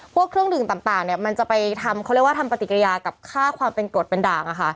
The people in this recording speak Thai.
เครื่องดื่มต่างมันจะไปทำเขาเรียกว่าทำปฏิกิริยากับค่าความเป็นกรดเป็นด่าง